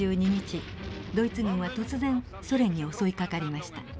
ドイツ軍は突然ソ連に襲いかかりました。